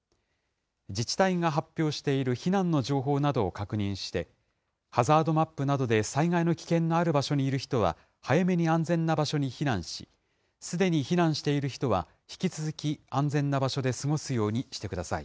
自治体が発表している避難の情報などを確認して、ハザードマップなどで災害の危険がある場所にいる人は、早めに安全な場所に避難し、すでに避難している人は、引き続き安全な場所で過ごすようにしてください。